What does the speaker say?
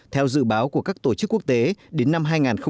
theo dự báo của các tổ chức quốc tế đến năm hai nghìn hai mươi